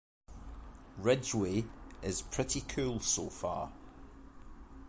Ridgeway is pretty cool so far.